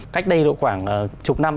cách đây khoảng chục năm